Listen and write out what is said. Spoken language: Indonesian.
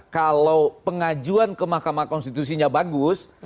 kalau pengajuan ke mahkamah konstitusinya bagus